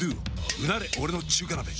うなれ俺の中華鍋！